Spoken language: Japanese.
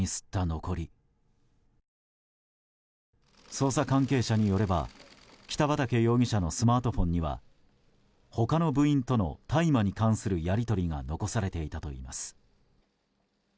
捜査関係者によれば北畠容疑者のスマートフォンには他の部員との大麻に関するやり取りが残されていたといいます。